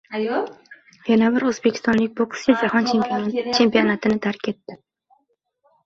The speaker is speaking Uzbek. Yana bir o‘zbekistonlik bokchi Jahon chempionatini tark etdi